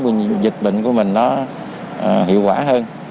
phòng chống dịch bệnh của mình nó hiệu quả hơn